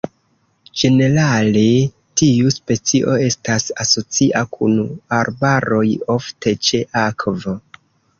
Ĝenerale tiu specio estas asocia kun arbaroj, ofte ĉe akvo.